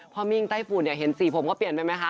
พ่อมิ้งไต้ฝูนเนี่ยเห็นสีผมเขาเปลี่ยนไปไหมค่ะ